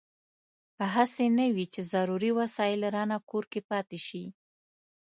هسې نه وي چې ضروري وسایل رانه کور کې پاتې شي.